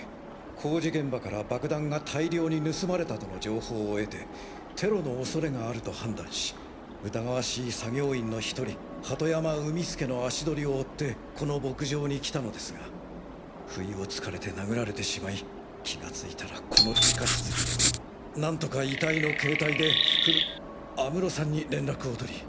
工事現場から爆弾が大量に盗まれたとの情報を得てテロの恐れがあると判断し疑わしい作業員の１人鳩山海輔の足取りを追ってこの牧場に来たのですが不意をつかれて殴られてしまい気が付いたらこの地下室に何とか遺体の携帯で降安室さんに連絡を取り。